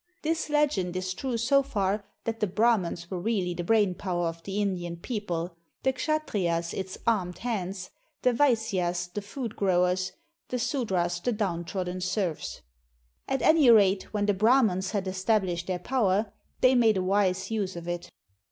This legend is true so far, that the Brah mans were really the brain power of the Indian people, the Kshattriyas its armed hands, the Vaisyas the food growers, the Sudras the downtrodden serfs. At any rate, when the Brahmans had established their power, they made a wise use of it.